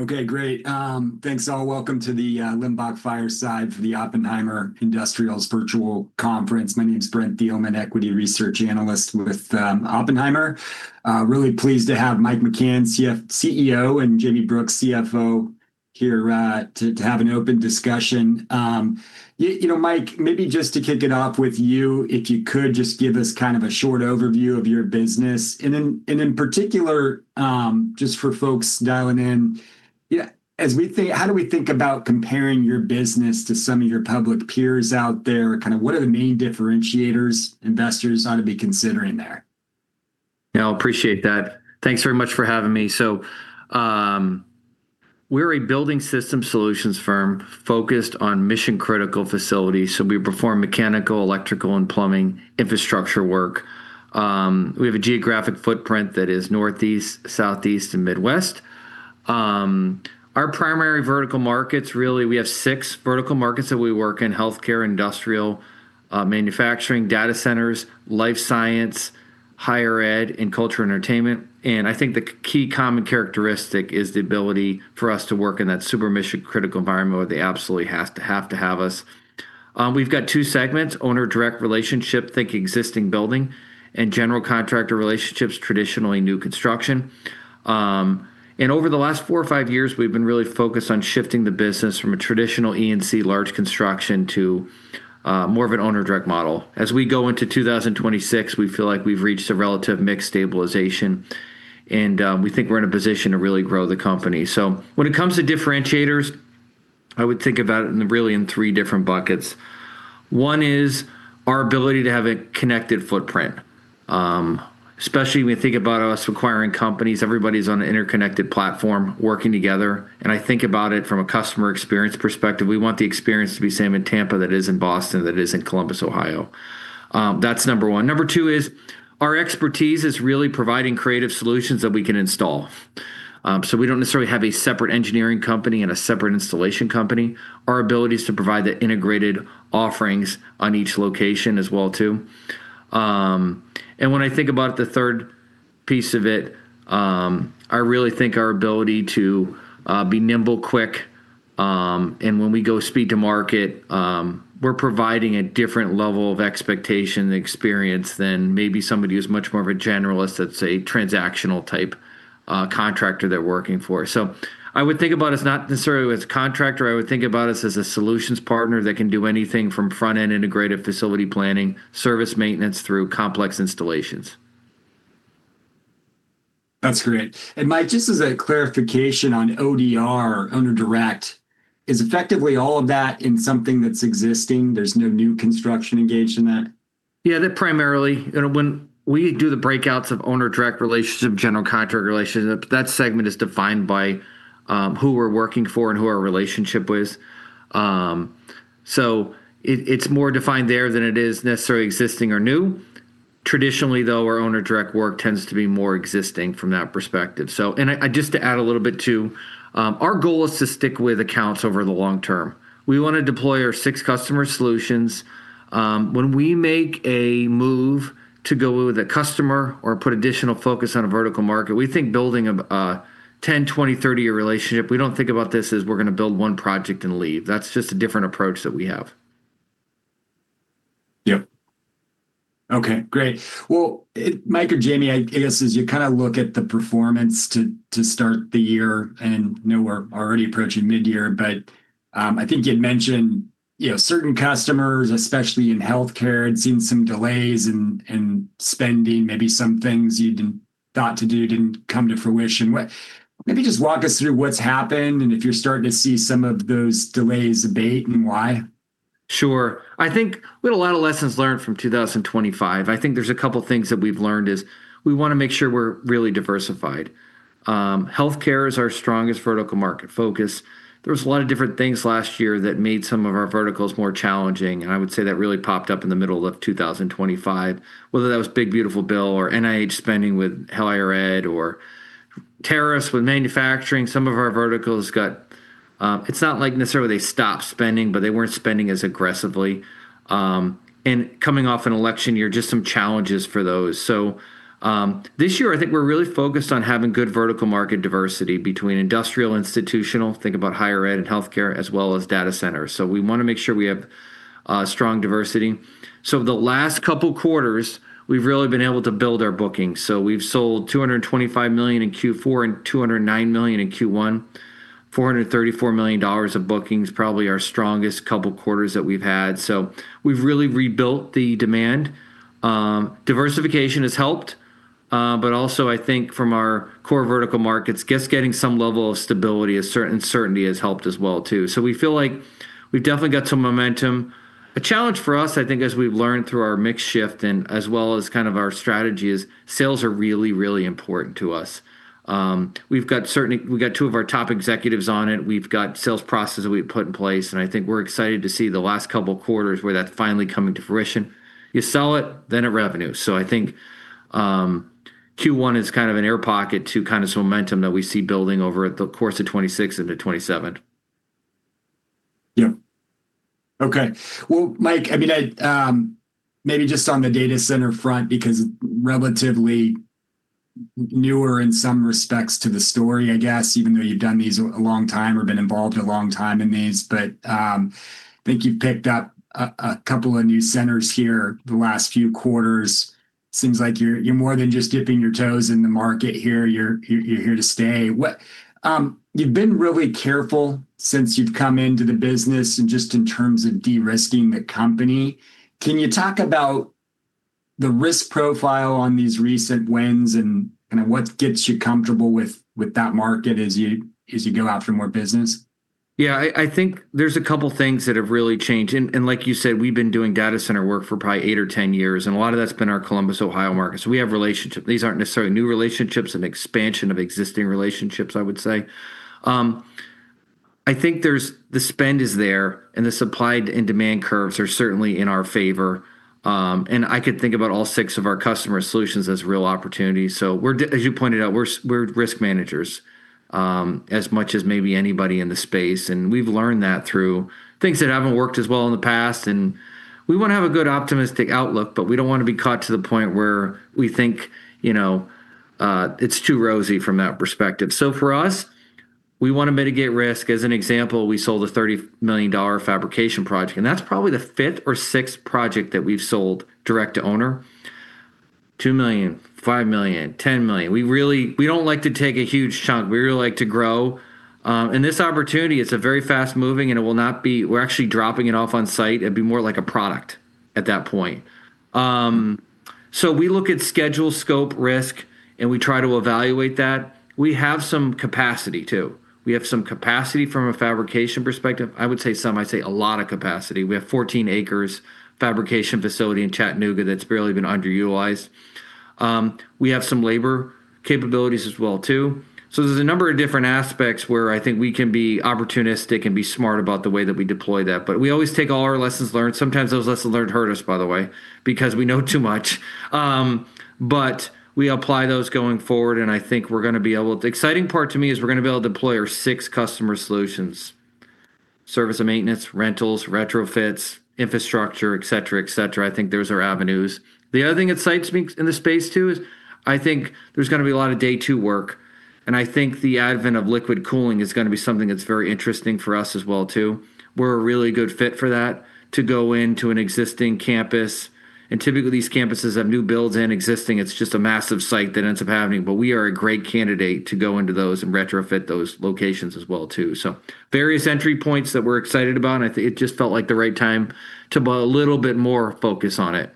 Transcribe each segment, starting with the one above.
Okay, great. Thanks, all. Welcome to the Limbach Fireside for the Oppenheimer Industrials Virtual Conference. My name's Brent Thielman, equity research analyst with Oppenheimer. Really pleased to have Mike McCann, CEO, and Jayme Brooks, CFO, here to have an open discussion. You know, Mike, maybe just to kick it off with you, if you could just give us kind of a short overview of your business, and in particular, just for folks dialing in, yeah, how do we think about comparing your business to some of your public peers out there? Kind of what are the main differentiators investors ought to be considering there? Yeah, I appreciate that. Thanks very much for having me. We're a building system solutions firm focused on mission-critical facilities. We perform mechanical, electrical, and plumbing infrastructure work. We have a geographic footprint that is Northeast, Southeast, and Midwest. Our primary vertical markets, really, we have six vertical markets that we work in: healthcare, industrial, manufacturing, data centers, life science, higher ed, and culture entertainment. I think the key common characteristic is the ability for us to work in that super mission-critical environment where they absolutely has to have us. We've got two segments: Owner Direct Relationship, think existing building, and General Contractor Relationships, traditionally new construction. Over the last four or five years, we've been really focused on shifting the business from a traditional E&C large construction to more of an Owner Direct model. As we go into 2026, we feel like we've reached a relative mix stabilization and we think we're in a position to really grow the company. When it comes to differentiators, I would think about it in really in three different buckets. One is our ability to have a connected footprint. Especially when you think about us acquiring companies, everybody's on an interconnected platform working together, and I think about it from a customer experience perspective. We want the experience to be the same in Tampa, that as in Boston, that as in Columbus, Ohio. That's number one. Number two is our expertise is really providing creative solutions that we can install. We don't necessarily have a separate engineering company and a separate installation company. Our ability is to provide the integrated offerings on each location as well too. When I think about the third piece of it, I really think our ability to be nimble quick, and when we go speed to market, we're providing a different level of expectation and experience than maybe somebody who's much more of a generalist, that's a transactional type, contractor they're working for. I would think about us not necessarily as a contractor, I would think about us as a solutions partner that can do anything from front-end integrated facility planning, service maintenance, through complex installations. That's great. Mike, just as a clarification on ODR, Owner Direct, is effectively all of that in something that's existing? There's no new construction engaged in that? Yeah. They're primarily. You know, when we do the breakouts of Owner Direct Relationship, General Contractor Relationships, that segment is defined by who we're working for and who our relationship with. It's more defined there than it is necessarily existing or new. Traditionally, though, our Owner Direct Relationship work tends to be more existing from that perspective. Just to add a little bit to, our goal is to stick with accounts over the long term. We wanna deploy our six customer solutions. When we make a move to go with a customer or put additional focus on a vertical market, we think building a 10, 20, 30-year relationship. We don't think about this as we're gonna build one project and leave. That's just a different approach that we have. Yep. Okay, great. Well, Mike or Jayme, I guess, as you kinda look at the performance to start the year, and I know we're already approaching midyear, but I think you'd mentioned, you know, certain customers, especially in healthcare, had seen some delays in spending. Maybe some things you thought to do didn't come to fruition. Maybe just walk us through what's happened, and if you're starting to see some of those delays abate and why. Sure. I think we had a lot of lessons learned from 2025. I think there's a couple things that we've learned is we wanna make sure we're really diversified. Healthcare is our strongest vertical market focus. There was a lot of different things last year that made some of our verticals more challenging, and I would say that really popped up in the middle of 2025, whether that was Big, Beautiful Bill or NIH spending with higher ed or tariffs with manufacturing. It's not like necessarily they stopped spending, but they weren't spending as aggressively. Coming off an election year, just some challenges for those. This year, I think we're really focused on having good vertical market diversity between industrial, institutional, think about higher ed and healthcare, as well as data centers. We wanna make sure we have strong diversity. The last couple quarters, we've really been able to build our bookings. We've sold $225 million in Q4 and $209 million in Q1. $434 million of booking is probably our strongest couple quarters that we've had. We've really rebuilt the demand. diversification has helped, but also I think from our core vertical markets, just getting some level of stability, a certain certainty has helped as well too. We feel like we've definitely got some momentum. A challenge for us, I think, as we've learned through our mix shift and as well as kind of our strategy, is sales are really, really important to us. We've got certainly we've got two of our top executives on it. We've got sales processes we've put in place, and I think we're excited to see the last couple of quarters where that's finally coming to fruition. You sell it, then it revenues. I think Q1 is kind of an air pocket to kind of momentum that we see building over the course of 2026 into 2027. Yeah. Okay. Well, Mike, I mean, maybe just on the data center front, because relatively newer in some respects to the story, I guess, even though you've done these a long time or been involved a long time in these. Think you've picked up a couple of new centers here the last few quarters. Seems like you're more than just dipping your toes in the market here. You're here to stay. What. You've been really careful since you've come into the business, and just in terms of de-risking the company. Can you talk about the risk profile on these recent wins and kind of what gets you comfortable with that market as you go out for more business? I think there's a couple things that have really changed. Like you said, we've been doing data center work for probably eight or 10 years, and a lot of that's been our Columbus, Ohio market. We have These aren't necessarily new relationships and expansion of existing relationships, I would say. The spend is there, and the supply and demand curves are certainly in our favor. I could think about all six of our customer solutions as real opportunities. As you pointed out, we're risk managers as much as maybe anybody in the space, and we've learned that through things that haven't worked as well in the past. We wanna have a good optimistic outlook, but we don't wanna be caught to the point where we think, you know, it's too rosy from that perspective. For us, we wanna mitigate risk. As an example, we sold a $30 million fabrication project, that's probably the fifth or sixth project that we've sold direct to owner. $2 million, $5 million, $10 million. We don't like to take a huge chunk. We really like to grow. This opportunity is a very fast-moving; we're actually dropping it off on site. It'd be more like a product at that point. We look at schedule, scope, risk, and we try to evaluate that. We have some capacity too. We have some capacity from a fabrication perspective. I would say some, I'd say a lot of capacity. We have 14 acres fabrication facility in Chattanooga that's barely been underutilized. We have some labor capabilities as well, too. There's a number of different aspects where I think we can be opportunistic and be smart about the way that we deploy that. We always take all our lessons learned. Sometimes those lessons learned hurt us, by the way, because we know too much. We apply those going forward. The exciting part to me is we're gonna be able to deploy our six customer solutions, service and maintenance, rentals, retrofits, infrastructure, et cetera, et cetera. I think those are avenues. The other thing that excites me in this space, too, is I think there's gonna be a lot of day two work, and I think the advent of liquid cooling is gonna be something that's very interesting for us as well too. We're a really good fit for that, to go into an existing campus, and typically these campuses have new builds and existing. It's just a massive site that ends up happening. We are a great candidate to go into those and retrofit those locations as well, too. Various entry points that we're excited about. It just felt like the right time to put a little bit more focus on it.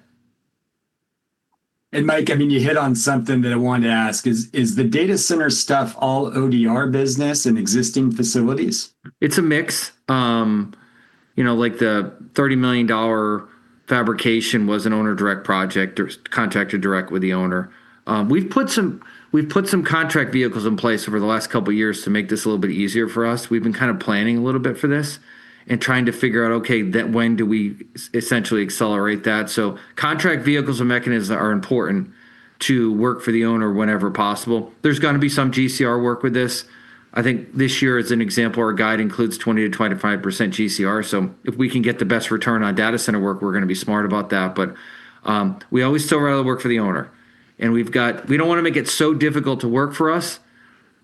Mike, I mean, you hit on something that I wanted to ask. Is the data center stuff all ODR business and existing facilities? It's a mix. You know, like the $30 million fabrication was an Owner Direct project or contracted direct with the owner. We've put some contract vehicles in place over the last couple years to make this a little bit easier for us. We've been kind of planning a little bit for this and trying to figure out, okay, then when do we essentially accelerate that? Contract vehicles and mechanisms are important to work for the owner whenever possible. There's gonna be some GCR work with this. I think this year, as an example, our guide includes 20%-25% GCR. If we can get the best return on data center work, we're gonna be smart about that. We always still rather work for the owner, and we don't wanna make it so difficult to work for us,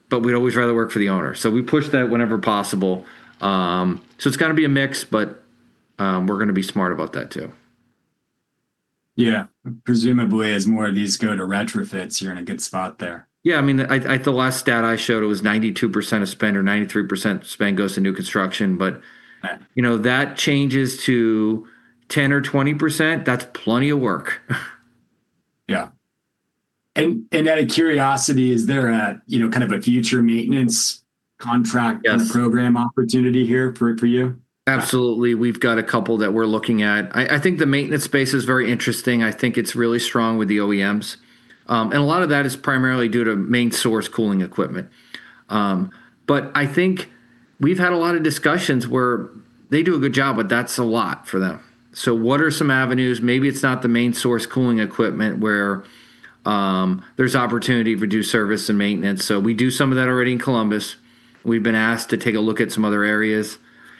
but we'd always rather work for the owner. We push that whenever possible. It's gonna be a mix, but we're gonna be smart about that too. Yeah. Presumably, as more of these go to retrofits, you're in a good spot there. Yeah, I mean, I The last stat I showed was 92% of spend or 93% spend goes to new construction. Right You know, that changes to 10 or 20%, that's plenty of work. Yeah. out of curiosity, is there a, you know, kind of a future maintenance contract? Yes Program opportunity here for you? Absolutely. We've got a couple that we're looking at. I think the maintenance space is very interesting. I think it's really strong with the OEMs, and a lot of that is primarily due to main source cooling equipment. I think we've had a lot of discussions where they do a good job, but that's a lot for them. What are some avenues? Maybe it's not the main source cooling equipment where there's opportunity to do service and maintenance. We do some of that already in Columbus. We've been asked to take a look at some other areas.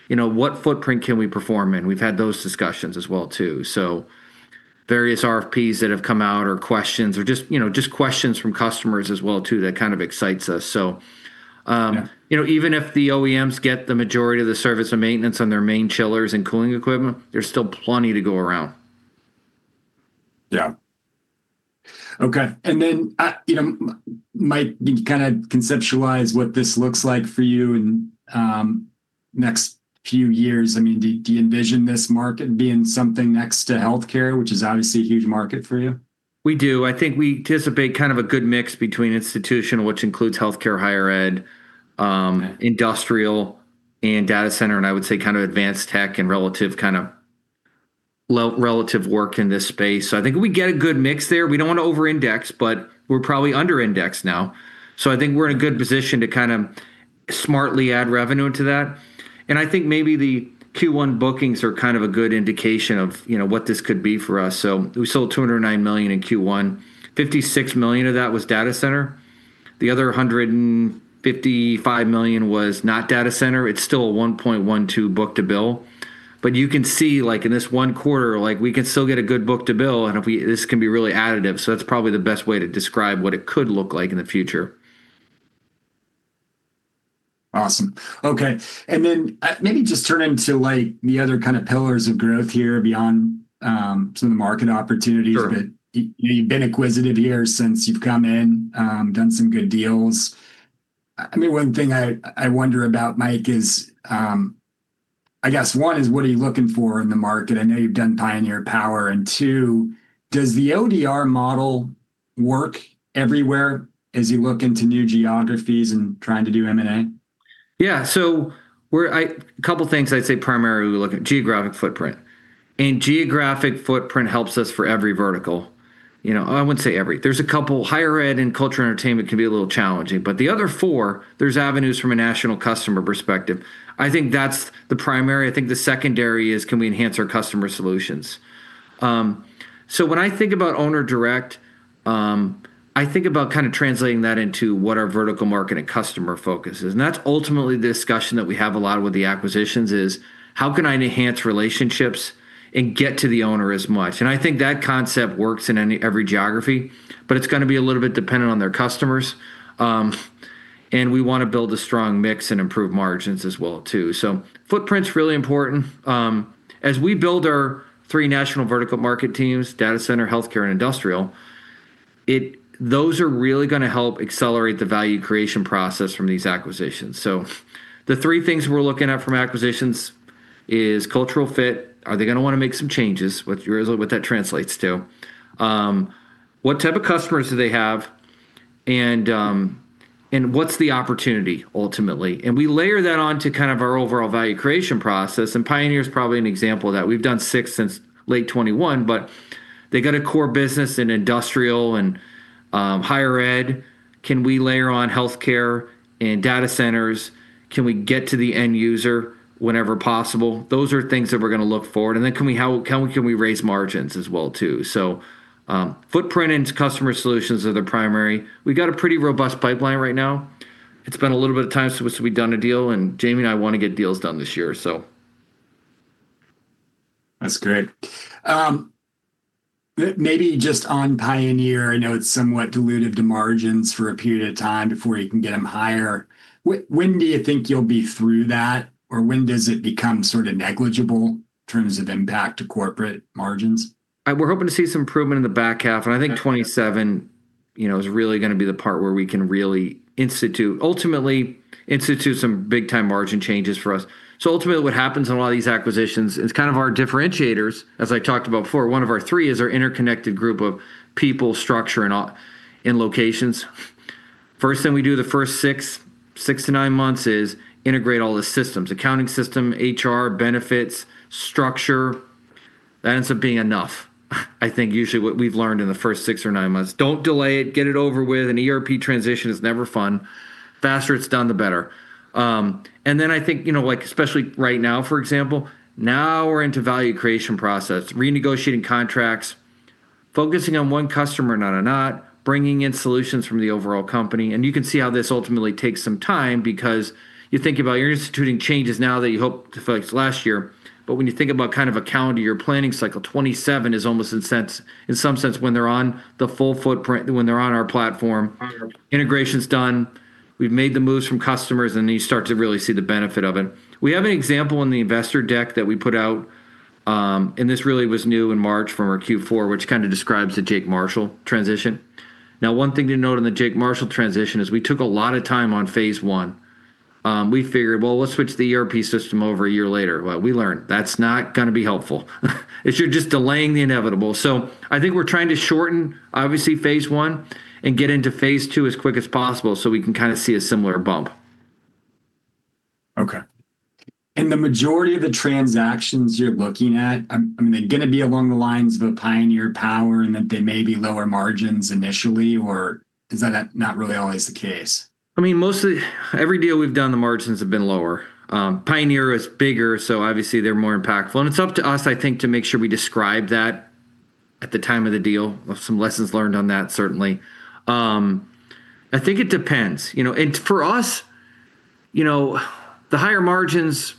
You know, what footprint can we perform in? We've had those discussions as well too. Various RFPs that have come out or questions or just questions from customers as well too, that kind of excites us. You know, even if the OEMs get the majority of the service and maintenance on their main chillers and cooling equipment, there's still plenty to go around. Yeah. Okay. You know, might you kinda conceptualize what this looks like for you in next few years? I mean, do you envision this market being something next to healthcare, which is obviously a huge market for you? We do. I think we anticipate kind of a good mix between institutional, which includes healthcare, higher ed, industrial and data center, and I would say kind of advanced tech and relative kind of low relative work in this space. I think we get a good mix there. We don't wanna over-index, but we're probably under-indexed now. I think we're in a good position to kinda smartly add revenue into that. I think maybe the Q1 bookings are kind of a good indication of, you know, what this could be for us. We sold $209 million in Q1. $56 million of that was data center. The other $155 million was not data center. It's still a 1.12 book-to-bill. You can see, like, in this one quarter, like, we can still get a good book-to-bill, and this can be really additive. It's probably the best way to describe what it could look like in the future. Awesome. Okay. Maybe just turn into, like, the other kind of pillars of growth here, beyond some of the market opportunities. Sure. You've been acquisitive here since you've come in, done some good deals. I mean, one thing I wonder about, Mike, is, I guess one is, what are you looking for in the market? I know you've done Pioneer Power. Two, does the ODR model work everywhere as you look into new geographies and trying to do M&A? Yeah. Couple things I'd say primarily we look at: geographic footprint. Geographic footprint helps us for every vertical. You know, I wouldn't say every. There's a couple. Higher ed and culture entertainment can be a little challenging. The other four, there's avenues from a national customer perspective. I think that's the primary. I think the secondary is, can we enhance our customer solutions? When I think about Owner Direct, I think about kind of translating that into what our vertical market and customer focus is. That's ultimately the discussion that we have a lot with the acquisitions is how can I enhance relationships and get to the owner as much? I think that concept works in any, every geography, but it's gonna be a little bit dependent on their customers. We want to build a strong mix and improve margins as well, too. Footprint's really important. As we build our three national vertical market teams, data center, healthcare, and industrial, those are really going to help accelerate the value creation process from these acquisitions. The three things we're looking at from acquisitions is cultural fit. Are they going to want to make some changes with your what that translates to? What type of customers do they have? What's the opportunity ultimately? We layer that on to kind of our overall value creation process, and Pioneer is probably an example of that. We've done six since late 2021; they got a core business in industrial and higher ed. Can we layer on healthcare and data centers? Can we get to the end user whenever possible? Those are things that we're gonna look for. Then can we raise margins as well too? Footprint and customer solutions are the primary. We've got a pretty robust pipeline right now. It's been a little bit of time since we've done a deal, and Jayme and I wanna get deals done this year. That's great. Maybe just on Pioneer, I know it's somewhat dilutive to margins for a period of time before you can get them higher. When do you think you'll be through that, or when does it become sort of negligible in terms of impact to corporate margins? We're hoping to see some improvement in the back half, and I think 2027, you know, is really gonna be the part where we can really ultimately institute some big-time margin changes for us. Ultimately, what happens in a lot of these acquisitions is kind of our differentiators, as I talked about before. One of our three is our interconnected group of people, structure, and locations. First thing we do the first six to nine months is integrate all the systems, accounting system, HR, benefits, structure. That ends up being enough, I think, usually what we've learned in the first six or nine months. Don't delay it. Get it over with. An ERP transition is never fun. Faster it's done, the better. Then I think, you know, like especially right now, for example, now we're into value creation process, renegotiating contracts, focusing on one customer, not a lot, bringing in solutions from the overall company. You can see how this ultimately takes some time because you think about you're instituting changes now that you hope to focus last year. When you think about kind of a calendar year planning cycle, 2027 is almost in some sense when they're on the full footprint, when they're on our platform, integration's done, we've made the moves from customers, and then you start to really see the benefit of it. We have an example in the investor deck that we put out, and this really was new in March from our Q4, which kind of describes the Jake Marshall transition. One thing to note on the Jake Marshall transition is we took a lot of time on phase one. We figured, well, let's switch the ERP system over a year later. Well, we learned that's not gonna be helpful if you're just delaying the inevitable. I think we're trying to shorten obviously phase one and get into phase two as quick as possible, so we can kind of see a similar bump. Okay. The majority of the transactions you're looking at, I mean, are they gonna be along the lines of a Pioneer Power and that they may be lower margins initially, or is that not really always the case? I mean, mostly every deal we've done, the margins have been lower. Pioneer is bigger, obviously, they're more impactful. It's up to us, I think, to make sure we describe that at the time of the deal. Some lessons learned on that, certainly. I think it depends. You know, for us, you know, the higher margins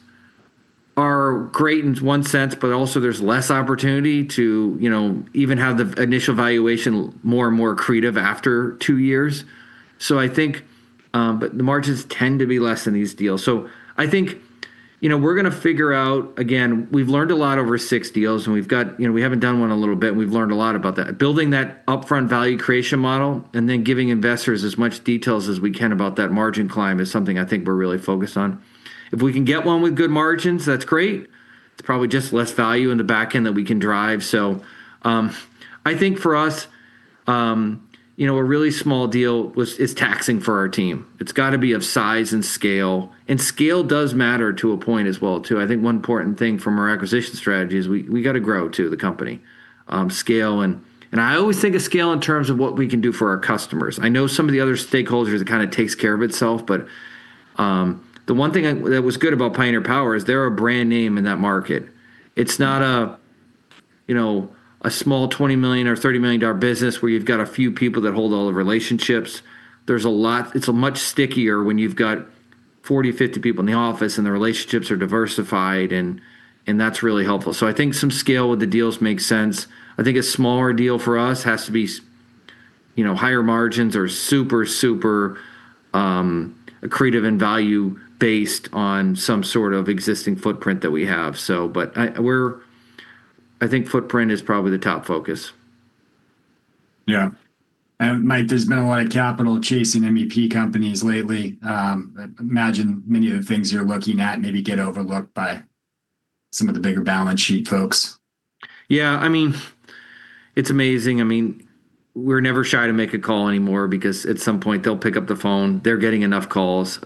are great in one sense, also there's less opportunity to, you know, even have the initial valuation more and more accretive after two years. I think the margins tend to be less in these deals. I think, you know, we're gonna figure out. Again, we've learned a lot over six deals, you know, we haven't done one a little bit, we've learned a lot about that. Building that upfront value creation model and then giving investors as much details as we can about that margin climb is something I think we're really focused on. If we can get one with good margins, that's great. It's probably just less value in the back end that we can drive. I think for us, you know, a really small deal is taxing for our team. It's gotta be of size and scale, and scale does matter to a point as well, too. I think one important thing from our acquisition strategy is we gotta grow to the company, scale, and I always think of scale in terms of what we can do for our customers. I know some of the other stakeholders, it kinda takes care of itself. The one thing that was good about Pioneer Power is they're a brand name in that market. It's not, you know, a small $20 million or $30 million business where you've got a few people that hold all the relationships. It's a much stickier when you've got 40, 50 people in the office and the relationships are diversified, and that's really helpful. I think some scale with the deals makes sense. I think a smaller deal for us has to be, you know, higher margins or super creative in value based on some sort of existing footprint that we have. I think footprint is probably the top focus. Yeah. Mike, there's been a lot of capital chasing MEP companies lately. I imagine many of the things you're looking at maybe get overlooked by some of the bigger balance sheet folks. Yeah. I mean, it's amazing. I mean, we're never shy to make a call anymore because at some point, they'll pick up the phone. They're getting enough calls.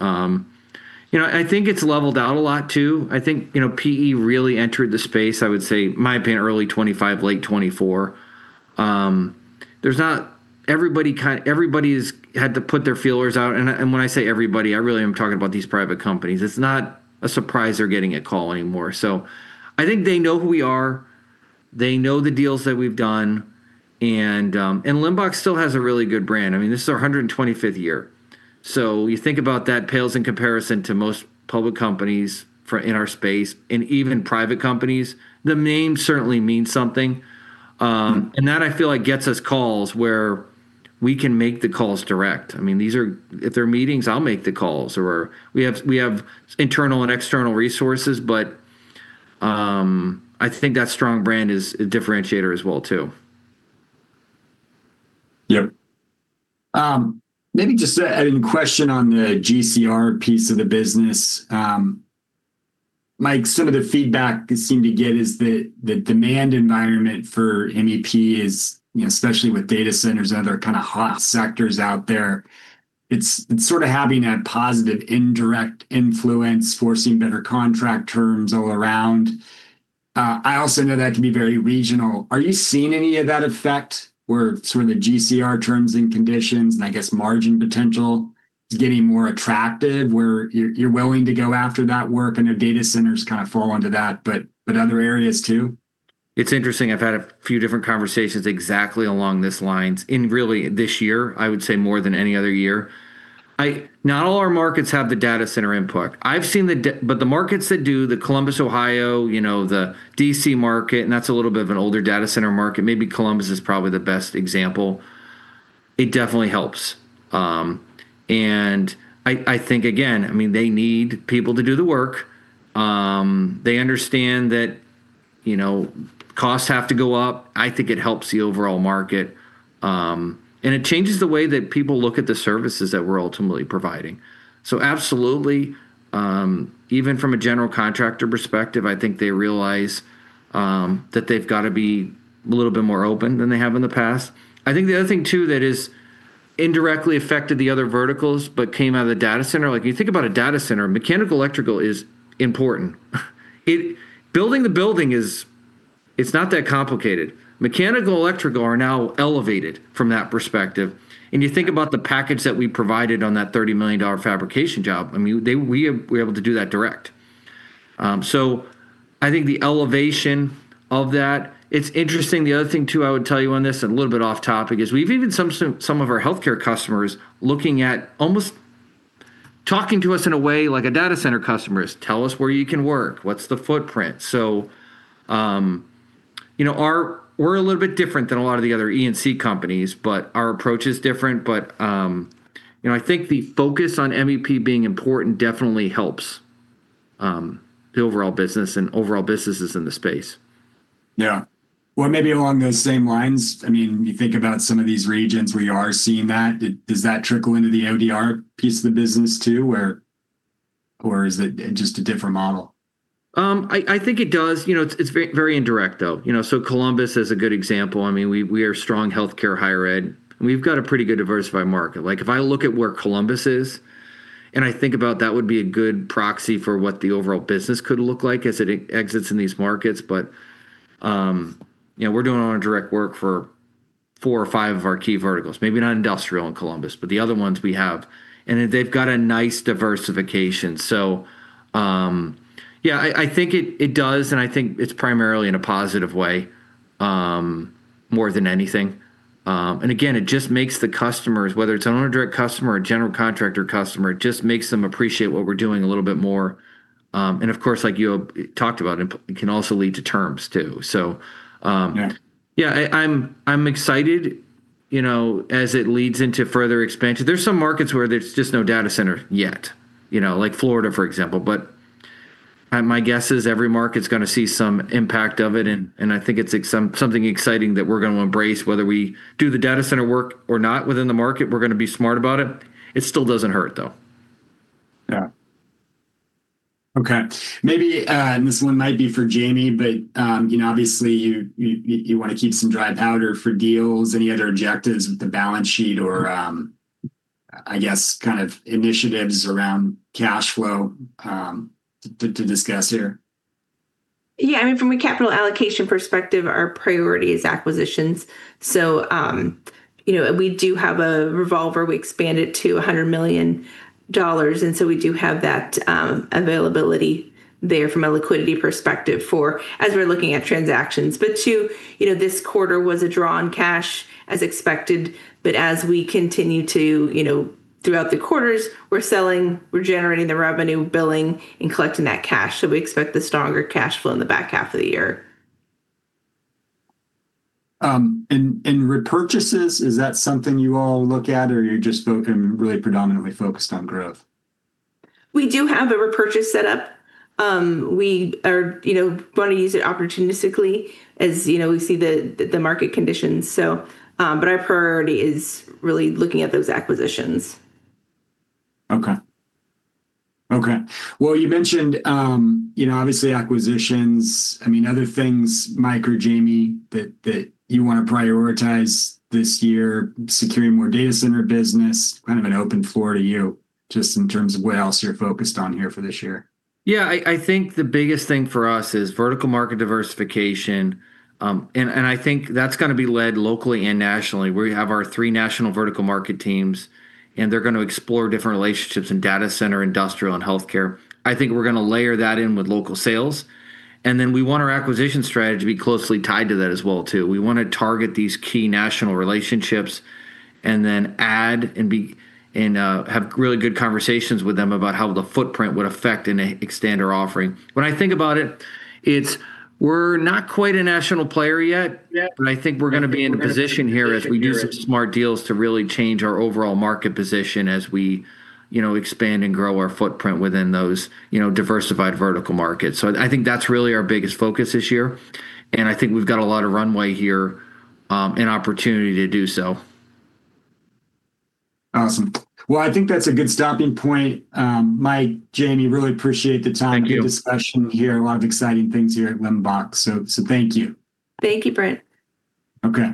You know, I think it's leveled out a lot, too. I think, you know, PE really entered the space, I would say, my opinion, early 2025, late 2024. Everybody is had to put their feelers out. When I say everybody, I really am talking about these private companies. It's not a surprise they're getting a call anymore. I think they know who we are, they know the deals that we've done, and Limbach still has a really good brand. I mean, this is our 125th year. You think about that pales in comparison to most public companies for in our space and even private companies. The name certainly means something. That I feel like gets us calls where we can make the calls direct. I mean, if they're meetings, I'll make the calls, or we have internal and external resources, I think that strong brand is a differentiator as well, too. Yep. Maybe just a question on the GCR piece of the business. Mike, some of the feedback you seem to get is that the demand environment for MEP is, you know, especially with data centers and other kinda hot sectors out there, it's sorta having that positive indirect influence, forcing better contract terms all around. I also know that can be very regional. Are you seeing any of that effect where, sort of, the GCR terms and conditions, and I guess margin potential, is getting more attractive, where you're willing to go after that work? I know data centers kinda fall onto that, but other areas too. It's interesting. I've had a few different conversations exactly along this lines in really this year, I would say more than any other year. Not all our markets have the data center input. The markets that do, the Columbus, Ohio, you know, the D.C. market, and that's a little bit of an older data center market. Maybe Columbus is probably the best example. It definitely helps. I think again, I mean, they need people to do the work. They understand that, you know, costs have to go up. I think it helps the overall market; it changes the way that people look at the services that we're ultimately providing. Absolutely, even from a general contractor perspective, I think they realize that they've gotta be a little bit more open than they have in the past. I think the other thing too that has indirectly affected the other verticals, but came out of the data center, like you think about a data center, mechanical electrical is important. Building the building is, it's not that complicated. Mechanical electrical are now elevated from that perspective. You think about the package that we provided on that $30 million fabrication job. I mean, we're able to do that direct. I think the elevation of that it's interesting. The other thing too, I would tell you on this, and a little bit off topic, is we've even some of our healthcare customers looking at almost talking to us in a way like a data center customers. "Tell us where you can work. What's the footprint? You know, we're a little bit different than a lot of the other E&C companies, but our approach is different. You know, I think the focus on MEP being important definitely helps the overall business and overall businesses in the space. Yeah. Well, maybe along those same lines, I mean, you think about some of these regions where you are seeing that. Does that trickle into the ODR piece of the business too, or is it just a different model? I think it does. You know, it's very indirect, though. You know, Columbus is a good example. I mean, we are strong healthcare, higher ed, and we've got a pretty good diversified market. Like, if I look at where Columbus is, and I think about that would be a good proxy for what the overall business could look like as it exits in these markets. You know, we're doing Owner Direct work for four or five of our key verticals. Maybe not industrial in Columbus, but the other ones we have. They've got a nice diversification. Yeah, I think it does, and I think it's primarily in a positive way, more than anything. It just makes the customers, whether it's an Owner Direct customer or a general contractor customer, it just makes them appreciate what we're doing a little bit more. Like you talked about, it can also lead to terms, too. Yeah. Yeah, I'm excited, you know, as it leads into further expansion. There's some markets where there's just no data center yet, you know, like Florida, for example. My guess is every market's gonna see some impact of it, and I think it's something exciting that we're gonna embrace, whether we do the data center work or not within the market. We're gonna be smart about it. It still doesn't hurt, though. Yeah. Okay. Maybe this one might be for Jayme, but, you know, obviously, you wanna keep some dry powder for deals. Any other objectives with the balance sheet, or, I guess, kind of initiatives around cash flow, to discuss here? Yeah. I mean, from a capital allocation perspective, our priority is acquisitions. You know, we do have a revolver. We expand it to $100 million; we do have that availability there from a liquidity perspective, for as we're looking at transactions. Two, you know, this quarter was a draw on cash as expected, as we continue to You know, throughout the quarters, we're selling, we're generating the revenue, billing, and collecting that cash, we expect the stronger cash flow in the back half of the year. Repurchases, is that something you all look at, or you're just really predominantly focused on growth? We do have a repurchase set up. We are, you know, gonna use it opportunistically as, you know, we see the market conditions. Our priority is really looking at those acquisitions. Okay. You mentioned, you know, obviously acquisitions, I mean, other things, Mike or Jayme, that you wanna prioritize this year, securing more data center business. Kind of an open floor to you, just in terms of what else you're focused on here for this year. Yeah. I think the biggest thing for us is vertical market diversification. I think that's gonna be led locally and nationally, where we have our three national vertical market teams, and they're gonna explore different relationships in data center, industrial, and healthcare. I think we're gonna layer that in with local sales, and we want our acquisition strategy to be closely tied to that as well, too. We wanna target these key national relationships and add and have really good conversations with them about how the footprint would affect and extend our offering. When I think about it's, we're not quite a national player yet. Yeah I think we're gonna be in a position here as we do some smart deals to really change our overall market position as we, you know, expand and grow our footprint within those, you know, diversified vertical markets. I think that's really our biggest focus this year, and I think we've got a lot of runway here and opportunity to do so. Awesome. Well, I think that's a good stopping point. Mike, Jayme really appreciate the time. The discussion here. A lot of exciting things here at Limbach. Thank you. Thank you, Brent. Okay.